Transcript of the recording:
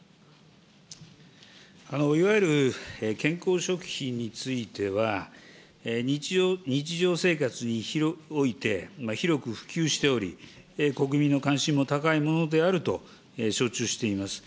いわゆる健康食品については、日常生活において、広く普及しており、国民の関心も高いものであると承知をしています。